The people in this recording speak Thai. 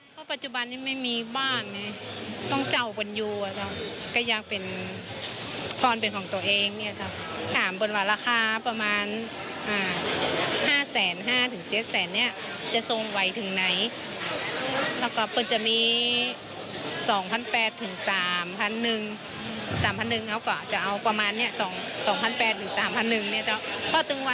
คือจะมี๒๘๐๐๓๐๐๐บาทถึงวันนี้จะเอาบ้านเป็น๓๐๐๐บาทแล้ว